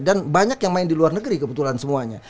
banyak yang main di luar negeri kebetulan semuanya